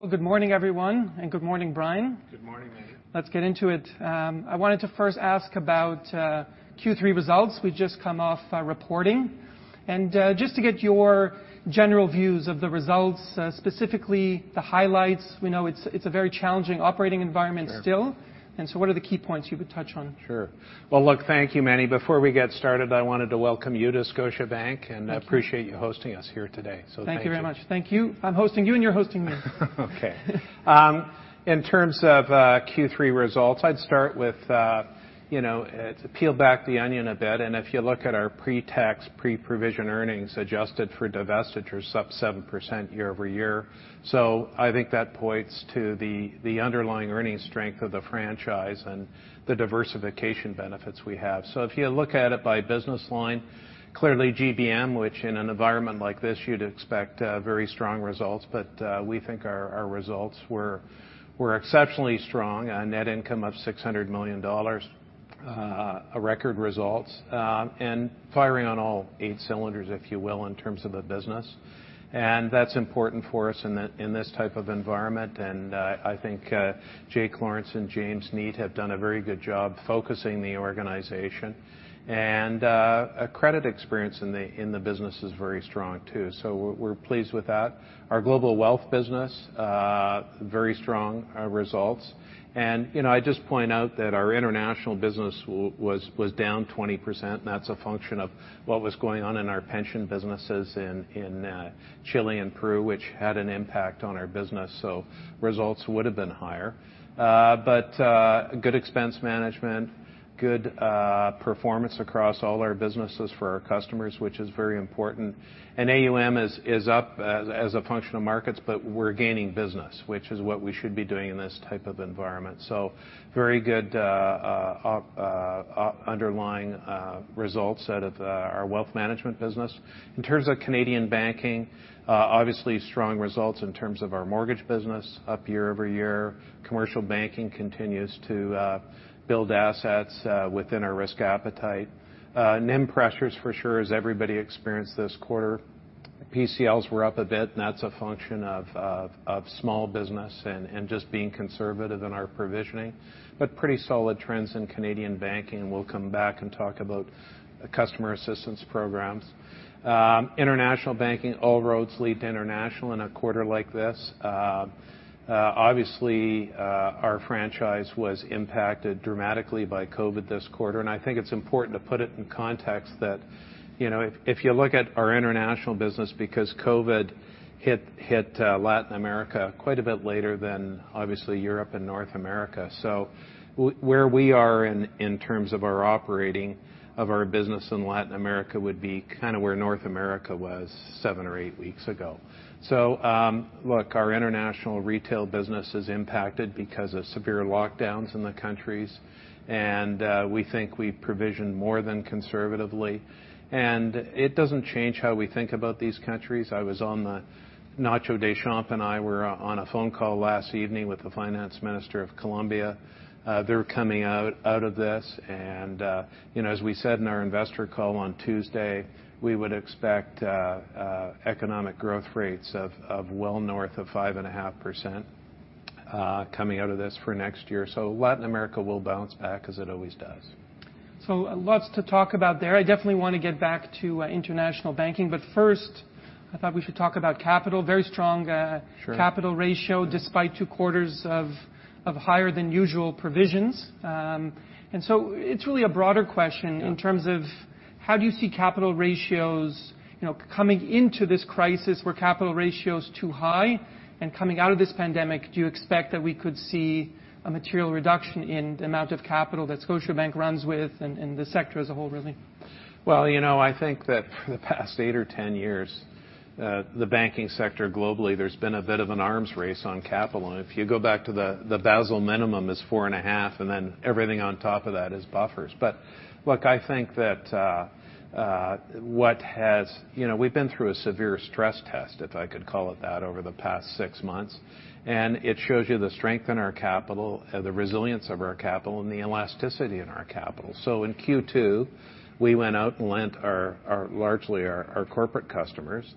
Well, good morning, everyone, and good morning, Brian. Good morning, Meny. Let's get into it. I wanted to first ask about Q3 results. We've just come off reporting. Just to get your general views of the results, specifically the highlights. We know it's a very challenging operating environment still. Sure. What are the key points you would touch on? Sure. Well, look, thank you, Meny. Before we get started, I wanted to welcome you to Scotiabank. Thank you. Appreciate you hosting us here today. Thank you. Thank you very much. Thank you. I'm hosting you, and you're hosting me. Okay. In terms of Q3 results, I'd start with peel back the onion a bit, and if you look at our pre-tax, pre-provision earnings adjusted for divestitures, up 7% year-over-year. I think that points to the underlying earnings strength of the franchise and the diversification benefits we have. If you look at it by business line, clearly GBM, which in an environment like this you'd expect very strong results, but we think our results were exceptionally strong. A net income of 600 million dollars, a record results. Firing on all eight cylinders, if you will, in terms of the business. That's important for us in this type of environment, and I think Jake Lawrence and James Neate have done a very good job focusing the organization. Credit experience in the business is very strong, too. We're pleased with that. Our global wealth business, very strong results. I just point out that our international business was down 20%, and that's a function of what was going on in our pension businesses in Chile and Peru, which had an impact on our business, so results would've been higher. Good expense management, good performance across all our businesses for our customers, which is very important. AUM is up as a function of markets, but we're gaining business, which is what we should be doing in this type of environment. Very good underlying results out of our wealth management business. In terms of Canadian Banking, obviously strong results in terms of our mortgage business up year-over-year. Commercial banking continues to build assets within our risk appetite. NIM pressures for sure, as everybody experienced this quarter. PCLs were up a bit, and that's a function of small business and just being conservative in our provisioning. Pretty solid trends in Canadian banking, and we'll come back and talk about customer assistance programs. International banking, all roads lead to international in a quarter like this. Obviously, our franchise was impacted dramatically by COVID this quarter, and I think it's important to put it in context that if you look at our international business, because COVID hit Latin America quite a bit later than obviously Europe and North America. Where we are in terms of our operating of our business in Latin America would be kind of where North America was seven or eight weeks ago. Look, our international retail business is impacted because of severe lockdowns in the countries, and we think we've provisioned more than conservatively. It doesn't change how we think about these countries. Ignacio Deschamps and I were on a phone call last evening with the finance minister of Colombia. They're coming out of this. As we said in our investor call on Tuesday, we would expect economic growth rates of well north of 5.5% coming out of this for next year. Latin America will bounce back as it always does. Lots to talk about there. I definitely want to get back to international banking, but first I thought we should talk about capital. Sure. Capital ratio despite two quarters of higher than usual provisions. It's really a broader question. Yeah. In terms of how do you see capital ratios coming into this crisis were capital ratios too high? Coming out of this pandemic, do you expect that we could see a material reduction in the amount of capital that Scotiabank runs with and the sector as a whole, really? Well, I think that for the past eight or 10 years, the banking sector globally, there's been a bit of an arms race on capital. If you go back to the Basel minimum is four and a half, then everything on top of that is buffers. Look, I think that we've been through a severe stress test, if I could call it that, over the past six months, and it shows you the strength in our capital, the resilience of our capital, and the elasticity in our capital. In Q2, we went out and lent largely our corporate customers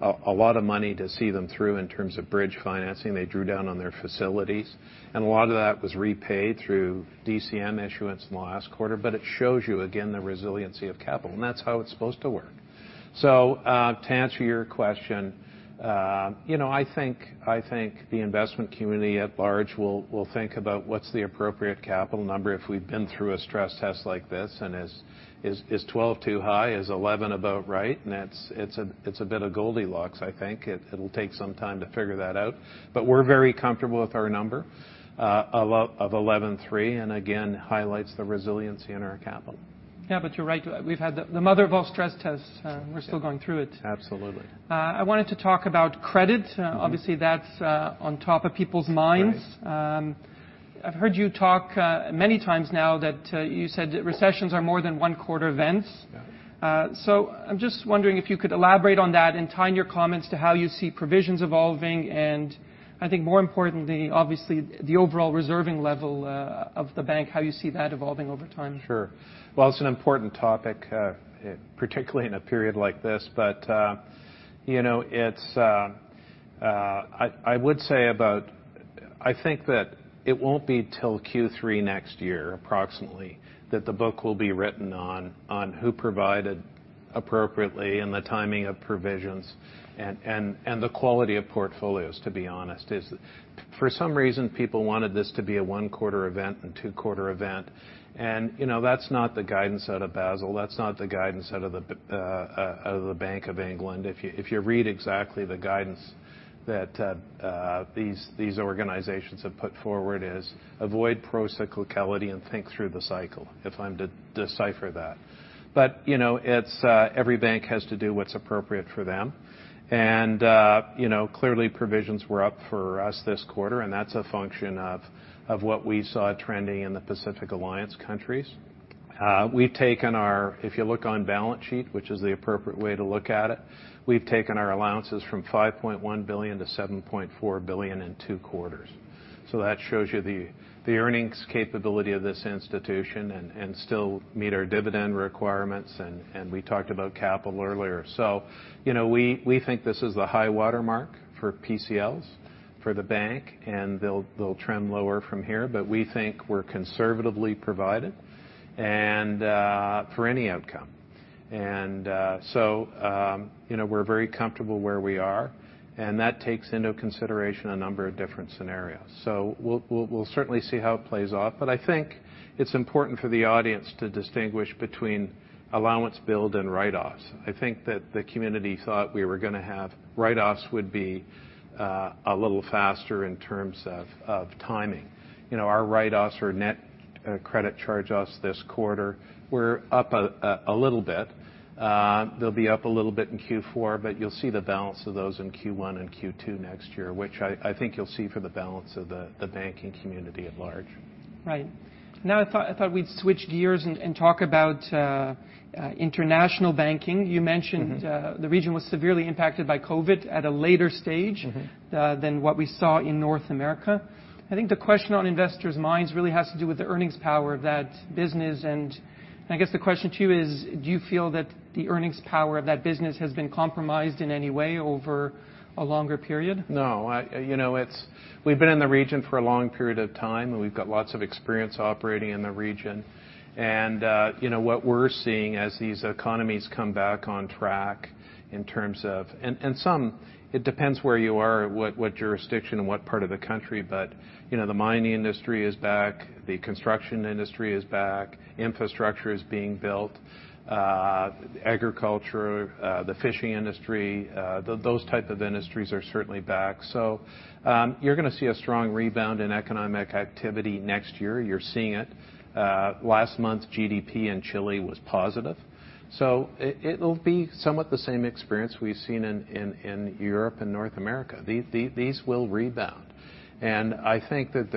a lot of money to see them through in terms of bridge financing. They drew down on their facilities, and a lot of that was repaid through DCM issuance in the last quarter. It shows you, again, the resiliency of capital, and that's how it's supposed to work. To answer your question, I think the investment community at large will think about what's the appropriate capital number if we've been through a stress test like this, and is 12 too high? Is 11 about right? It's a bit of Goldilocks, I think. It'll take some time to figure that out. We're very comfortable with our number of 11.3, and again, highlights the resiliency in our capital. Yeah, you're right. We've had the mother of all stress tests. Yeah. We're still going through it. Absolutely. I wanted to talk about credit. Obviously, that's on top of people's minds. Right. I've heard you talk many times now that you said recessions are more than one quarter events. Yeah. I'm just wondering if you could elaborate on that and tying your comments to how you see provisions evolving, and I think more importantly, obviously, the overall reserving level of the bank, how you see that evolving over time. Sure. Well, it's an important topic, particularly in a period like this. I would say I think that it won't be till Q3 next year, approximately, that the book will be written on who provided appropriately and the timing of provisions and the quality of portfolios, to be honest. For some reason, people wanted this to be a one-quarter event and two-quarter event, that's not the guidance out of Basel, that's not the guidance out of the Bank of England. If you read exactly the guidance that these organizations have put forward is avoid pro-cyclicality and think through the cycle, if I'm to decipher that. Every bank has to do what's appropriate for them. Clearly, provisions were up for us this quarter, and that's a function of what we saw trending in the Pacific Alliance countries. If you look on balance sheet, which is the appropriate way to look at it, we've taken our allowances from 5.1 billion-7.4 billion in two quarters. That shows you the earnings capability of this institution and still meet our dividend requirements, and we talked about capital earlier. We think this is the high watermark for PCLs for the bank, and they'll trend lower from here, but we think we're conservatively provided, and for any outcome. We're very comfortable where we are, and that takes into consideration a number of different scenarios. We'll certainly see how it plays off, but I think it's important for the audience to distinguish between allowance build and write-offs. I think that the community thought we were going to have write-offs would be a little faster in terms of timing. Our write-offs or net credit charge-offs this quarter were up a little bit. They'll be up a little bit in Q4. You'll see the balance of those in Q1 and Q2 next year, which I think you'll see for the balance of the banking community at large. Right. Now I thought we'd switch gears and talk about International Banking. You mentioned. The region was severely impacted by COVID at a later stage. than what we saw in North America. I think the question on investors' minds really has to do with the earnings power of that business, and I guess the question to you is, do you feel that the earnings power of that business has been compromised in any way over a longer period? No. We've been in the region for a long period of time. We've got lots of experience operating in the region. What we're seeing as these economies come back on track and some, it depends where you are, what jurisdiction and what part of the country, but the mining industry is back, the construction industry is back, infrastructure is being built. Agriculture, the fishing industry, those type of industries are certainly back. You're going to see a strong rebound in economic activity next year. You're seeing it. Last month, GDP in Chile was positive. It'll be somewhat the same experience we've seen in Europe and North America. These will rebound. I think that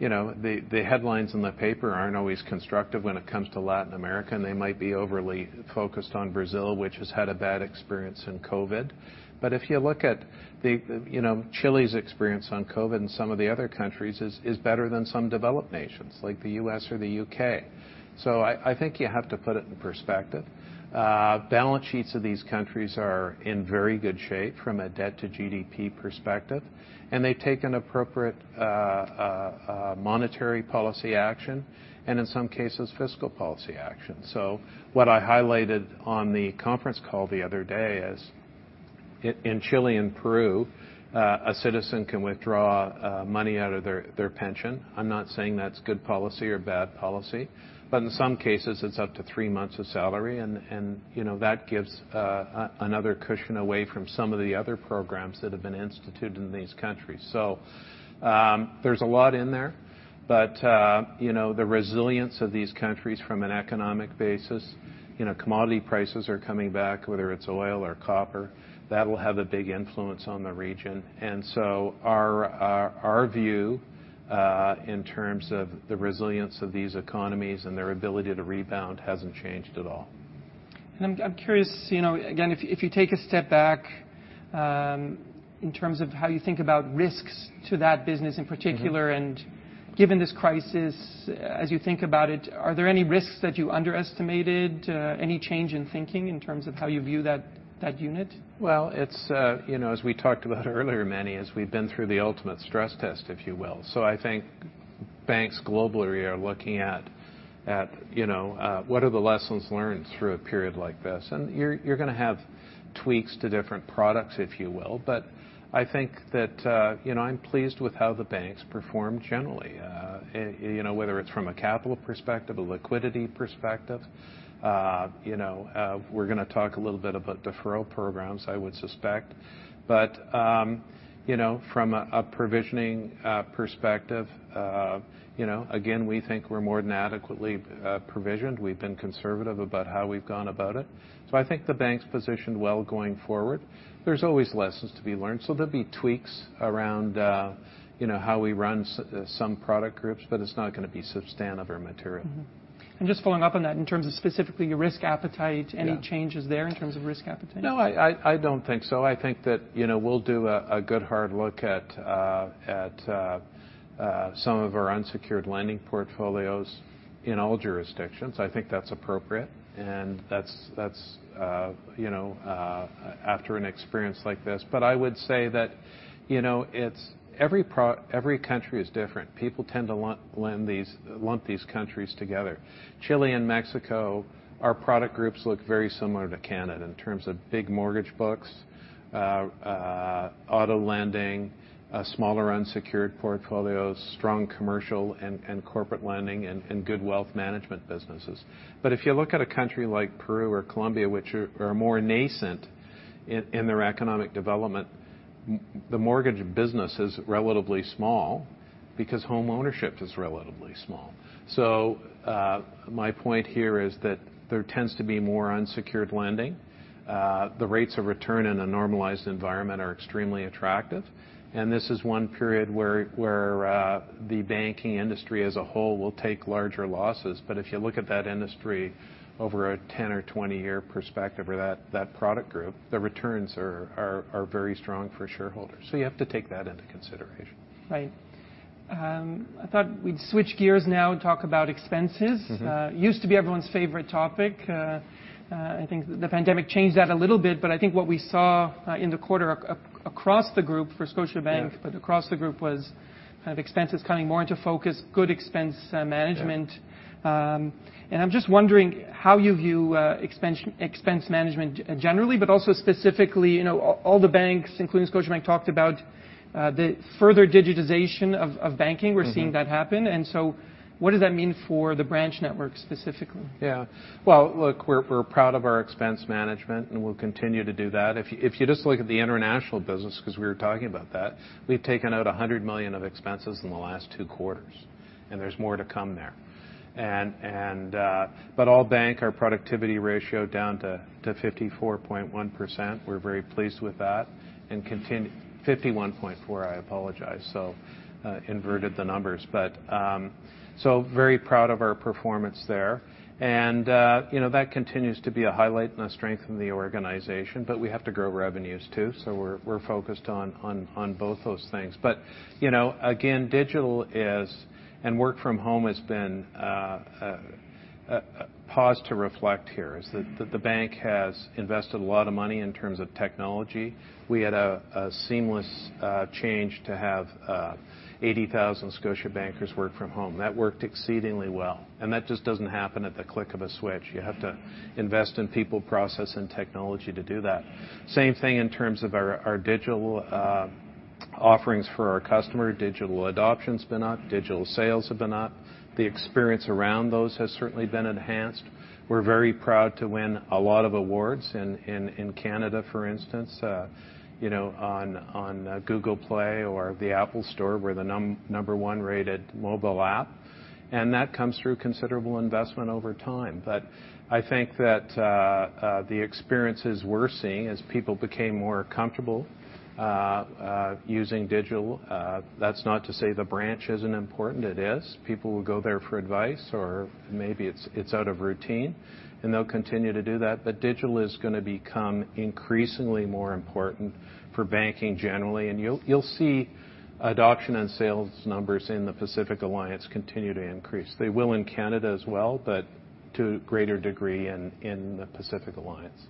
the headlines in the paper aren't always constructive when it comes to Latin America, they might be overly focused on Brazil, which has had a bad experience in COVID. If you look at Chile's experience on COVID and some of the other countries, is better than some developed nations, like the U.S. or the U.K. I think you have to put it in perspective. Balance sheets of these countries are in very good shape from a debt to GDP perspective, and they take an appropriate monetary policy action, and in some cases, fiscal policy action. What I highlighted on the conference call the other day is in Chile and Peru, a citizen can withdraw money out of their pension. I'm not saying that's good policy or bad policy. In some cases, it's up to three months of salary, and that gives another cushion away from some of the other programs that have been instituted in these countries. There's a lot in there, but the resilience of these countries from an economic basis, commodity prices are coming back, whether it's oil or copper. That'll have a big influence on the region. Our view, in terms of the resilience of these economies and their ability to rebound, hasn't changed at all. I'm curious, again, if you take a step back, in terms of how you think about risks to that business in particular. Given this crisis, as you think about it, are there any risks that you underestimated? Any change in thinking in terms of how you view that unit? Well, as we talked about earlier, Meny, is we've been through the ultimate stress test, if you will. I think banks globally are looking at what are the lessons learned through a period like this. You're going to have tweaks to different products, if you will. I think that I'm pleased with how the banks performed generally, whether it's from a capital perspective, a liquidity perspective. We're going to talk a little bit about deferral programs, I would suspect. From a provisioning perspective, again, we think we're more than adequately provisioned. We've been conservative about how we've gone about it. I think the Bank's positioned well going forward. There's always lessons to be learned, so there'll be tweaks around how we run some product groups, but it's not going to be substantive or material. Mm-hmm. Just following up on that, in terms of specifically your risk appetite. Yeah. Any changes there in terms of risk appetite? No, I don't think so. I think that we'll do a good hard look at some of our unsecured lending portfolios in all jurisdictions. I think that's appropriate, and that's after an experience like this. I would say that every country is different. People tend to lump these countries together. Chile and Mexico, our product groups look very similar to Canada in terms of big mortgage books, auto lending, smaller unsecured portfolios, strong commercial and corporate lending, and good wealth management businesses. If you look at a country like Peru or Colombia, which are more nascent in their economic development, the mortgage business is relatively small because home ownership is relatively small. My point here is that there tends to be more unsecured lending. The rates of return in a normalized environment are extremely attractive, and this is one period where the banking industry as a whole will take larger losses. If you look at that industry over a 10 or 20 year perspective or that product group, the returns are very strong for shareholders. You have to take that into consideration. Right. I thought we'd switch gears now and talk about expenses. Used to be everyone's favorite topic. I think the pandemic changed that a little bit, but I think what we saw in the quarter across the group for Scotiabank. Yeah. Across the group was kind of expenses coming more into focus, good expense management. Yeah. I'm just wondering how you view expense management generally, but also specifically, all the banks, including Scotiabank, talked about the further digitization of banking. We're seeing that happen. What does that mean for the branch network specifically? Well, look, we're proud of our expense management, and we'll continue to do that. If you just look at the international business, because we were talking about that, we've taken out 100 million of expenses in the last two quarters, and there's more to come there. All bank, our productivity ratio down to 54.1%. We're very pleased with that. 51.4, I apologize. Inverted the numbers. Very proud of our performance there. That continues to be a highlight and a strength in the organization, but we have to grow revenues, too. We're focused on both those things. Again, digital is, and work from home has been a pause to reflect here, is that the bank has invested a lot of money in terms of technology. We had a seamless change to have 80,000 Scotiabankers work from home. That worked exceedingly well. That just doesn't happen at the click of a switch. You have to invest in people, process, and technology to do that. Same thing in terms of our digital offerings for our customer. Digital adoption's been up, digital sales have been up. The experience around those has certainly been enhanced. We're very proud to win a lot of awards in Canada, for instance, on Google Play or the Apple Store. We're the number one rated mobile app, and that comes through considerable investment over time. I think that the experiences we're seeing as people became more comfortable using digital, that's not to say the branch isn't important. It is. People will go there for advice or maybe it's out of routine, and they'll continue to do that. Digital is going to become increasingly more important for banking generally. You'll see adoption and sales numbers in the Pacific Alliance continue to increase. They will in Canada as well, but to a greater degree in the Pacific Alliance.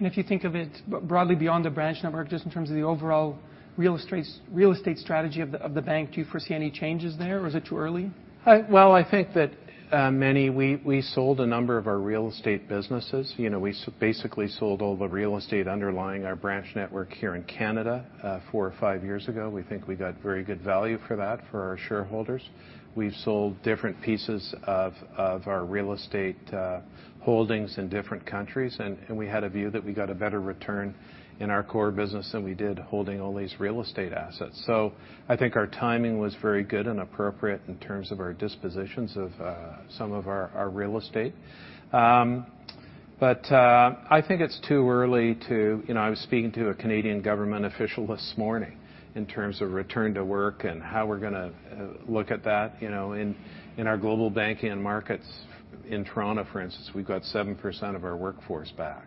If you think of it broadly beyond the branch network, just in terms of the overall real estate strategy of the bank, do you foresee any changes there, or is it too early? Well, I think that, Meny, we sold a number of our real estate businesses. We basically sold all the real estate underlying our branch network here in Canada four or five years ago. We think we got very good value for that for our shareholders. We've sold different pieces of our real estate holdings in different countries, and we had a view that we got a better return in our core business than we did holding all these real estate assets. I think our timing was very good and appropriate in terms of our dispositions of some of our real estate. I think it's too early. I was speaking to a Canadian government official this morning in terms of return to work and how we're going to look at that. In our global banking markets in Toronto, for instance, we've got 7% of our workforce back.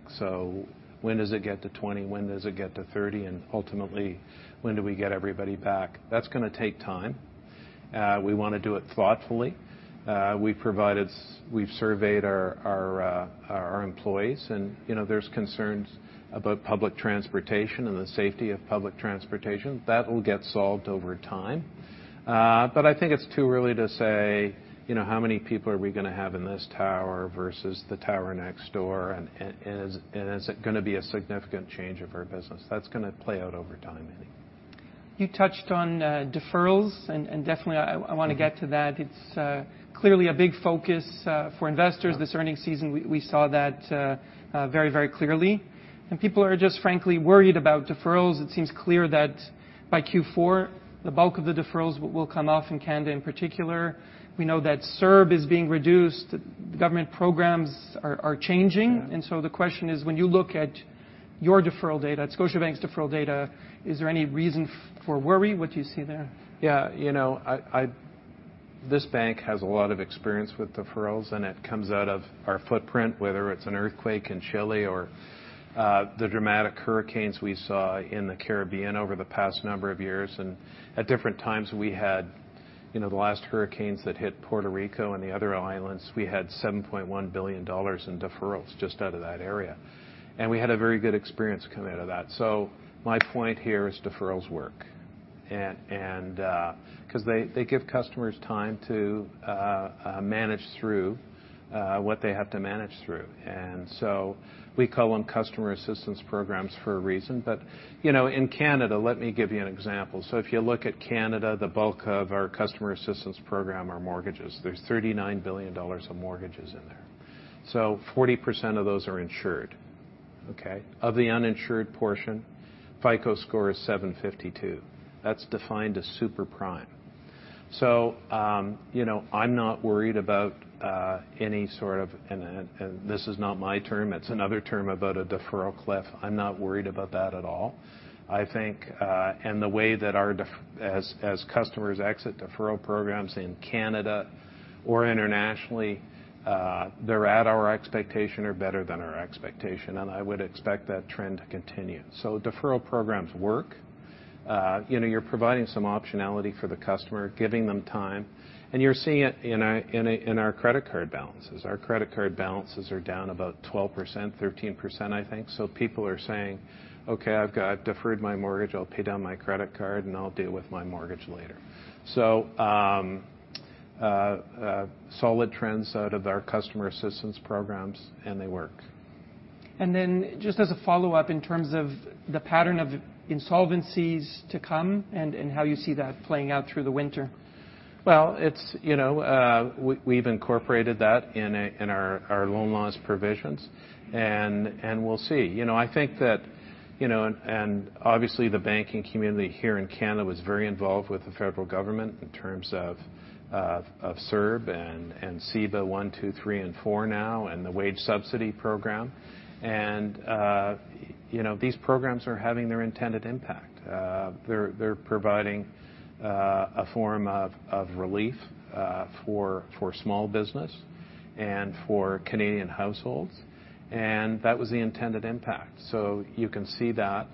When does it get to 20? When does it get to 30? Ultimately, when do we get everybody back? That's going to take time. We want to do it thoughtfully. We've surveyed our employees, and there's concerns about public transportation and the safety of public transportation. That will get solved over time. I think it's too early to say how many people are we going to have in this tower versus the tower next door, and is it going to be a significant change of our business? That's going to play out over time, Meny. You touched on deferrals, and definitely I want to get to that. It's clearly a big focus for investors this earnings season. We saw that very clearly, and people are just frankly worried about deferrals. It seems clear that by Q4, the bulk of the deferrals will come off in Canada in particular. We know that CERB is being reduced, government programs are changing. Yeah. The question is, when you look at your deferral data, Scotiabank's deferral data, is there any reason for worry? What do you see there? Yeah. This bank has a lot of experience with deferrals, and it comes out of our footprint, whether it's an earthquake in Chile or the dramatic hurricanes we saw in the Caribbean over the past number of years. At different times, we had the last hurricanes that hit Puerto Rico and the other islands, we had 7.1 billion dollars in deferrals just out of that area. We had a very good experience coming out of that. My point here is deferrals work because they give customers time to manage through what they have to manage through. We call them customer assistance programs for a reason. In Canada, let me give you an example. If you look at Canada, the bulk of our customer assistance program are mortgages. There's 39 billion dollars of mortgages in there. 40% of those are insured. Okay. Of the uninsured portion, FICO score is 752. That's defined as super prime. I'm not worried about any sort of And this is not my term, it's another term about a deferral cliff. I'm not worried about that at all. I think, and the way that as customers exit deferral programs in Canada or internationally, they're at our expectation or better than our expectation, and I would expect that trend to continue. Deferral programs work. You're providing some optionality for the customer, giving them time, and you're seeing it in our credit card balances. Our credit card balances are down about 12%, 13%, I think. People are saying, "Okay, I've deferred my mortgage. I'll pay down my credit card, and I'll deal with my mortgage later." Solid trends out of our customer assistance programs, and they work. Just as a follow-up, in terms of the pattern of insolvencies to come and how you see that playing out through the winter. Well, we've incorporated that in our loan loss provisions, and we'll see. Obviously, the banking community here in Canada was very involved with the federal government in terms of CERB and CEBA one, two, three, and four now, and the wage subsidy program. These programs are having their intended impact. They're providing a form of relief for small business and for Canadian households, and that was the intended impact. You can see that.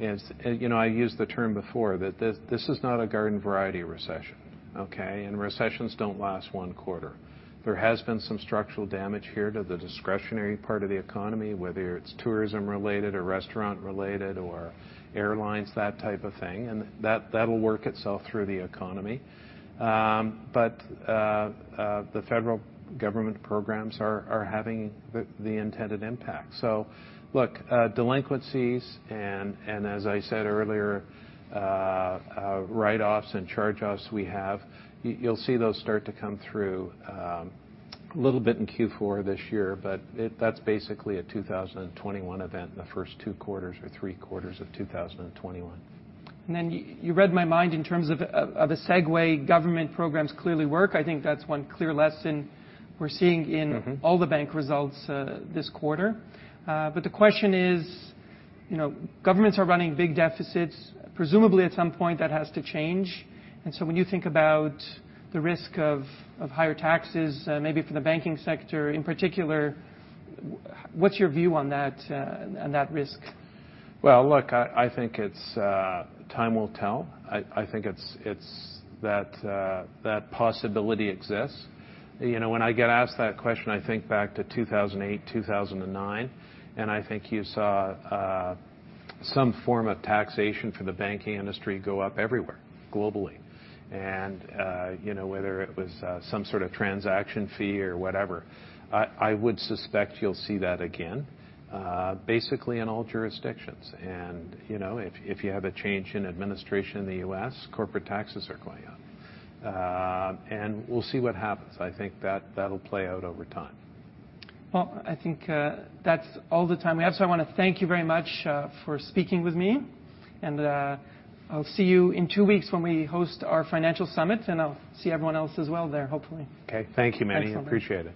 I used the term before, that this is not a garden variety recession, okay? Recessions don't last one quarter. There has been some structural damage here to the discretionary part of the economy, whether it's tourism related or restaurant related or airlines, that type of thing, and that'll work itself through the economy. The federal government programs are having the intended impact. Look, delinquencies, and as I said earlier, write-offs and charge-offs we have, you'll see those start to come through a little bit in Q4 this year. That's basically a 2021 event in the first two quarters or three quarters of 2021. You read my mind in terms of a segue, government programs clearly work. I think that's one clear lesson we're seeing in- all the bank results this quarter. The question is, governments are running big deficits. Presumably, at some point, that has to change. When you think about the risk of higher taxes, maybe for the banking sector in particular, what's your view on that and that risk? Well, look, I think time will tell. I think that possibility exists. When I get asked that question, I think back to 2008, 2009, and I think you saw some form of taxation for the banking industry go up everywhere, globally, whether it was some sort of transaction fee or whatever. I would suspect you'll see that again, basically in all jurisdictions. If you have a change in administration in the U.S., corporate taxes are going up. We'll see what happens. I think that'll play out over time. Well, I think that's all the time we have, so I want to thank you very much for speaking with me. I'll see you in two weeks when we host our financial summit, and I'll see everyone else as well there, hopefully. Okay. Thank you, Meny. Excellent. Appreciate it.